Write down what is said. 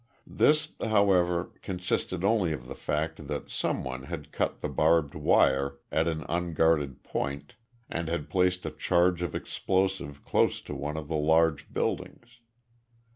This, however, consisted only of the fact that some one had cut the barbed wire at an unguarded point and had placed a charge of explosive close to one of the large buildings.